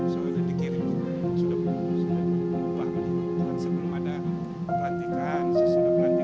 sudah di twitter